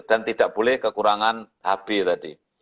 dan tidak boleh kekurangan hb tadi